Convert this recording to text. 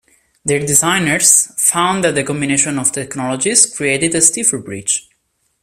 Their designers found that the combination of technologies created a stiffer bridge.